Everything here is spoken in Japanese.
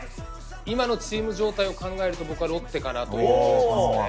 今のチーム状態を考えると僕はロッテかなと思いますね。